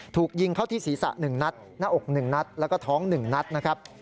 ถูกยิงเข้าที่ศีรษะ๑นัดหน้าอก๑นัดแล้วก็ท้อง๑นัดนะครับ